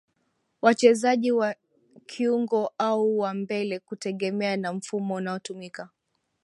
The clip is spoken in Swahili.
Wachezaji wa kiungo au wa mbele kutegemea na mfumo unaotumika